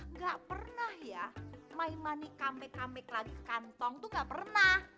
nggak pernah ya my money come back come back lagi ke kantong tuh nggak pernah